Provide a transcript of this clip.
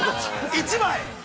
◆１枚？